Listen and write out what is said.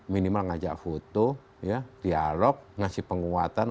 minimal ngajak foto dialog ngasih penguatan